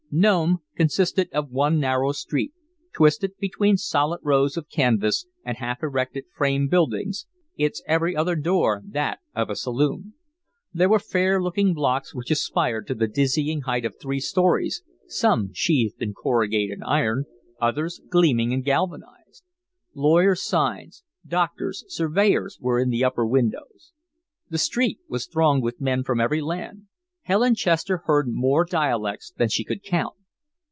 Nome consisted of one narrow street, twisted between solid rows of canvas and half erected frame buildings, its every other door that of a saloon. There were fair looking blocks which aspired to the dizzy height of three stories, some sheathed in corrugated iron, others gleaming and galvanized. Lawyers' signs, doctors', surveyors', were in the upper windows. The street was thronged with men from every land Helen Chester heard more dialects than she could count.